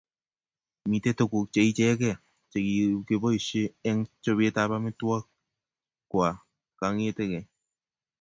Mitei tuguuk cheichegei chekoboisye eng chobeetab amitwogiik kwai kong'ete keny.